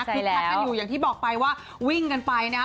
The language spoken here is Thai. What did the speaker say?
คักกันอยู่อย่างที่บอกไปว่าวิ่งกันไปนะฮะ